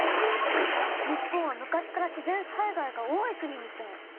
日本は昔から自然災害が多い国みたい。